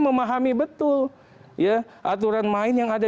memahami betul ya aturan main yang ada